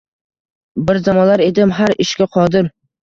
“Bir zamonlar edim har ishga qodir